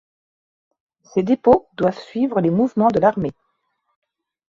Ces dépôts doivent suivre les mouvements de l'armée.